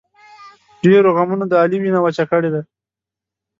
ډېرو غمونو د علي وینه وچه کړې ده.